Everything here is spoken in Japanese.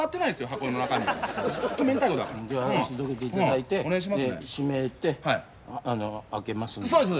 箱の中身ずっとめんたいこだからじゃあ足どけていただいて閉めて開けますのでそうです